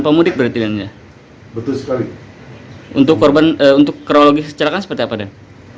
pemudik berarti dan ya betul sekali untuk korban untuk kronologi kecelakaan seperti apa dan